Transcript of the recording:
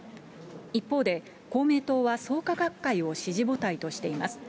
一方で、公明党は創価学会を支持母体としています。